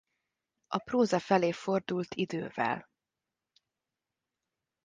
A próza felé fordult idővel.